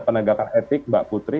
penegakan etik mbak putri